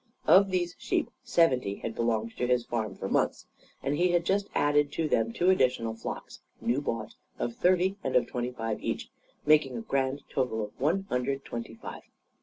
Of these sheep, seventy had belonged to his farm for months. And he had just added to them two additional flocks, new bought, of thirty and of twenty five each; making a grand total of one hundred and twenty five.